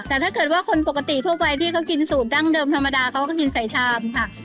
แต่ถ้าเกิดว่าคนปกติทั่วไปที่เขากินสูตรดั้งเดิมธรรมดาเขาก็กินใส่ชามค่ะ